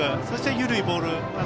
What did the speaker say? そして緩いボール。